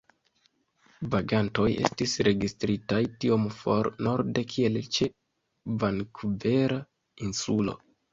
Vagantoj estis registritaj tiom for norde kiel ĉe Vankuvera Insulo.